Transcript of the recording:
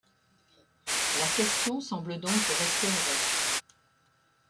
La question semble donc rester ouverte.